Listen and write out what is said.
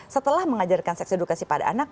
setelah mengajarkan seks edukasi pada anak